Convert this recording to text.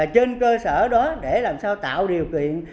trên cơ sở đó để làm sao tạo điều kiện